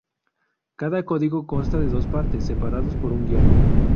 Cada código consta de dos partes, separados por un guion.